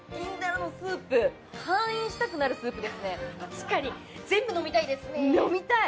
確かに全部飲みたいですね飲みたい！